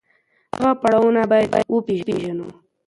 دغه پړاوونه بايد وپېژنو.